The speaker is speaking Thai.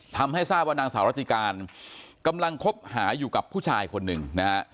ทำให้ทราบว่านางสาวรัติการกำลังคบหาอยู่กับผู้ชายคนหนึ่งนะฮะ